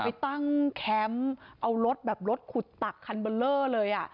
ไปตั้งแคมป์เอารถแบบรถขุดตักคันเบอร์เลอร์เลยอ่ะ